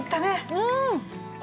うん！